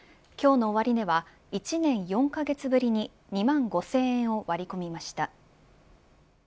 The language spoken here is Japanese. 今日の終値は１年４カ月ぶりに２万５０００円を割り込みました。